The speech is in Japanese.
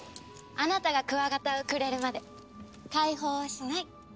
あなたがクワガタをくれるまで解放はしない。